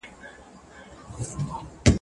هغه محصل چي ډېر زیار باسي، ښه پایله ترلاسه کوي.